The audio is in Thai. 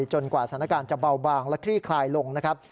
กว่าสถานการณ์จะเบาบางและคลี่คลายลงนะครับ